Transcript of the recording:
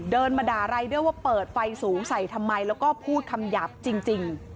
เดินมาด่ารายด้วยว่าเปิดไฟสูงใส่ทำไมแล้วก็พูดคำหยาบจริง